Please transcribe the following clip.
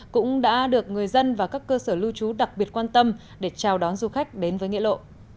cũng đã được người dân và các cơ sở lưu trú đặc biệt quan tâm để chào đón du khách đến với nghĩa lộ